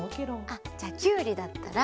あじゃきゅうりだったら。